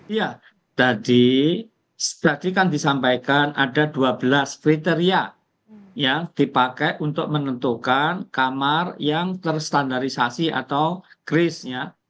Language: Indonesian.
ya tadi kan disampaikan ada dua belas kriteria yang dipakai untuk menentukan kamar yang terstandarisasi atau kris ya